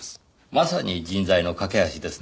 まさに人材の架け橋ですねぇ。